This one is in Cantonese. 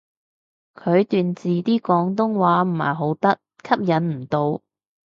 佢段字啲廣東話唔係好得，吸引唔到